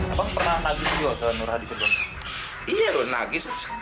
apa pernah naga itu juga selalu nurah dikejar